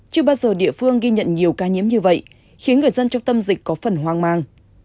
chưa bao giờ địa phương ghi nhận nhiều ca nhiễm như vậy khiến người dân trong tâm dịch có phần hoang mang